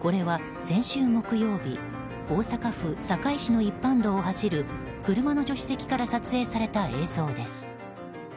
これは先週木曜日大阪府堺市の一般道を走る車の助手席から撮影された映像です。